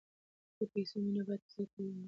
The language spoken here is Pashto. د پیسو مینه باید زړه تور نکړي.